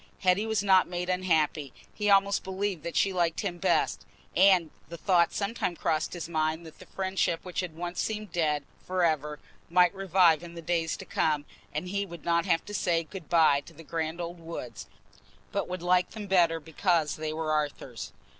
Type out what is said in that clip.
Hetty was not made unhappy; he almost believed that she liked him best; and the thought sometimes crossed his mind that the friendship which had once seemed dead for ever might revive in the days to come, and he would not have to say "good bye" to the grand old woods, but would like them better because they were Arthur's.